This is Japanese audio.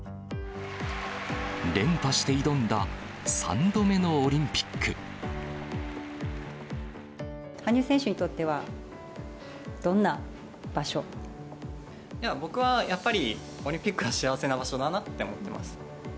連覇して挑んだ３度目のオリ羽生選手にとっては、僕はやっぱり、オリンピックは幸せな場所だなって思ってます。